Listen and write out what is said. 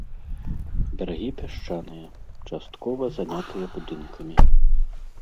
Берагі пясчаныя, часткова занятыя будынкамі.